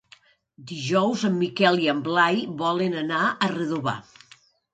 Dijous en Miquel i en Blai volen anar a Redovà.